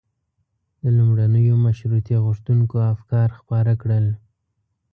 د لومړنیو مشروطیه غوښتونکيو افکار خپاره کړل.